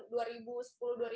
mas iman betul ya